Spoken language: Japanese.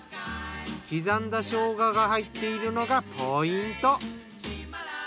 刻んだショウガが入っているのがポイント。